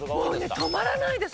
もうね止まらないです